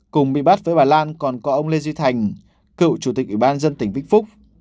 cùng bị bắt với bà lan còn có ông lê duy thành cựu chủ tịch ủy ban dân tỉnh vĩnh phúc